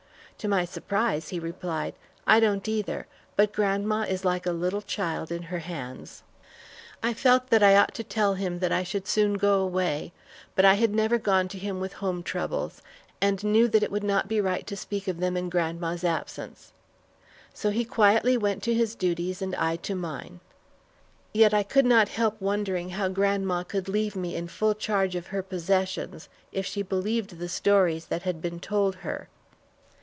To my surprise, he replied, "I don't either, but grandma is like a little child in her hands." I felt that I ought to tell him I should soon go away, but I had never gone to him with home troubles, and knew that it would not be right to speak of them in grandma's absence; so he quietly went to his duties and I to mine. Yet I could not help wondering how grandma could leave me in full charge of her possessions if she believed the stories that had been told her.